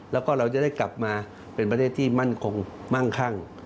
แล้วก็เราจะได้กลับมาเป็นประเทศที่มั่นคงมั่งคั่ง